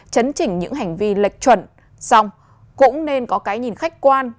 chấn chỉnh những hành vi lệch chuẩn xong cũng nên có cái nhìn khách quan